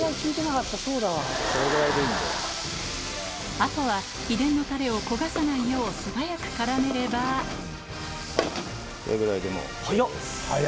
あとは秘伝のタレを焦がさないよう素早く絡めればこれぐらいでもう。